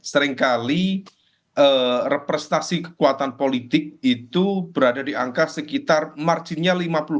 seringkali representasi kekuatan politik itu berada di angka sekitar marginnya lima puluh enam